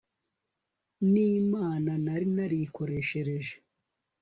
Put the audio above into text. n'imana nari narikoreshereje